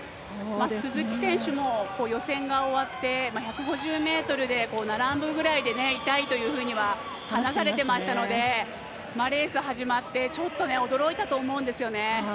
鈴木選手も、予選が終わって１５０ｍで並ぶぐらいでいたいというふうに話されてましたのでレース始まってちょっと驚いたと思うんですよね。